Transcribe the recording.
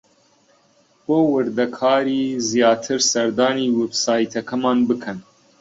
بۆ وردەکاریی زیاتر سەردانی وێبسایتەکەمان بکەن.